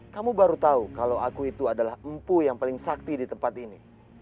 kamu baru tahu kalau aku itu adalah empu yang paling sakti di tempat ini